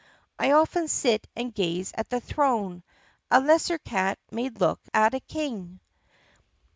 I often sit and gaze at the throne! A lesser cat may look at a King!